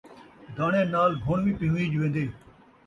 داݨیاں نال گھݨ وی پین٘ہویج وین٘دے